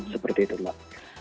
seperti itu mbak